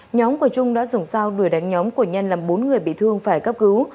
nhóm của trung đã dùng sao đuổi đánh nhóm của nhân làm bốn người bị thương phải cấp cứu